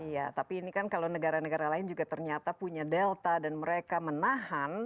iya tapi ini kan kalau negara negara lain juga ternyata punya delta dan mereka menahan